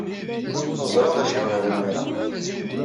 Ur ẓriɣ d acu ay bɣiɣ imir-a.